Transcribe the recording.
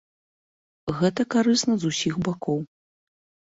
Гэта карысна з усіх бакоў.